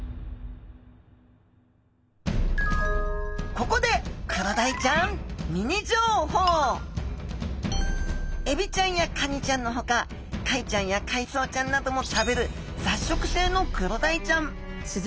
ここでエビちゃんやカニちゃんのほか貝ちゃんや海藻ちゃんなども食べる雑食性のクロダイちゃん。